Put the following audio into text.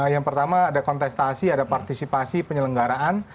yang pertama ada kontestasi ada partisipasi penyelenggaraan